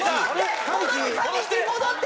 戻って！